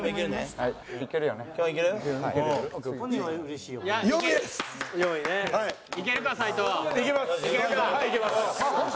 はいいけます！